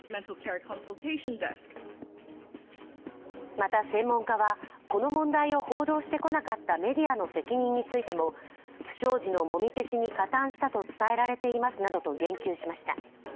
また専門家は、この問題を報道してこなかったメディアの責任についても不祥事のもみ消しに加担したと伝えられていますなどと言及しました。